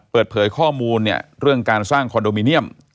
เปิดเผยข้อมูลเนี่ยเรื่องการสร้างคอนโดมิเนียม